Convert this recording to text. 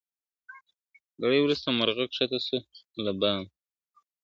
ګړی وروسته مرغه کښته سو له بامه !.